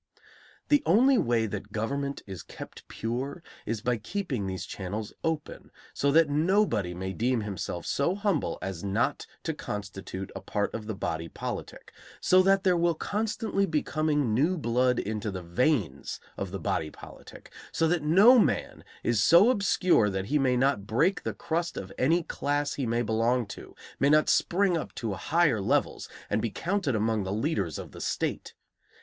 The only way that government is kept pure is by keeping these channels open, so that nobody may deem himself so humble as not to constitute a part of the body politic, so that there will constantly be coming new blood into the veins of the body politic; so that no man is so obscure that he may not break the crust of any class he may belong to, may not spring up to higher levels and be counted among the leaders of the state.